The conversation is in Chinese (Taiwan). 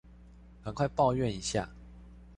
趕快抱怨一下